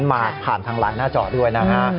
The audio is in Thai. มาผ่านทางไลน์หน้าจอด้วยนะฮะ